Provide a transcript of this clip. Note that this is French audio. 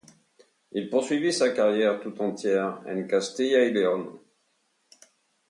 Il poursuivit sa carrière tout entière en Castilla y Léon.